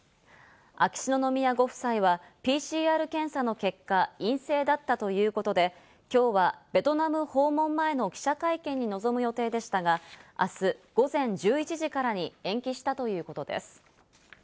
秋篠宮ご夫妻はＰＣＲ検査の結果、陰性だったということで、きょうはベトナム訪問前の記者会見に臨む予定でしたが、あす午前１１時からに延期したということです。